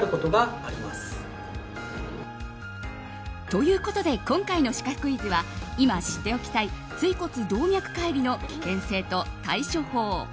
ということで今回のシカクイズは今、知っておきたい椎骨動脈解離の危険性と対処法。